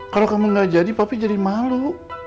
kalau kamu nggak jadi papi jadi malu